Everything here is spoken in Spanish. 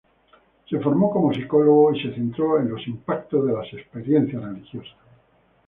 Se formó como psicólogo y se centró en los impactos de las experiencias religiosas.